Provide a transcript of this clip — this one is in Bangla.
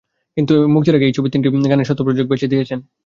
কিন্তু মুক্তির আগেই এই ছবির তিনটি গানের স্বত্ব প্রযোজক বেচে দিয়েছেন।